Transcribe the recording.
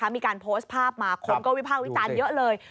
มีการโพสต์ภาพมาคนก็วิภาควิจารณ์เยอะเลย